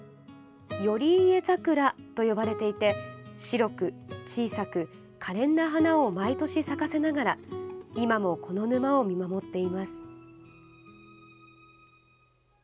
頼家桜と呼ばれていて白く、小さく、かれんな花を毎年咲かせながら今もこの沼を見守っています。